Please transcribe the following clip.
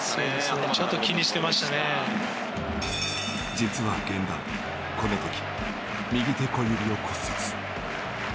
実は源田この時右手小指を骨折。